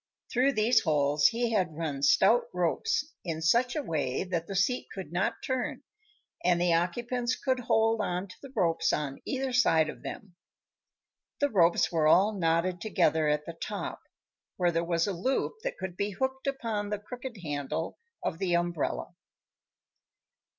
Through these holes he had run stout ropes in such a way that the seat could not turn and the occupants could hold on to the ropes on either side of them. The ropes were all knotted together at the top, where there was a loop that could be hooked upon the crooked handle of the umbrella.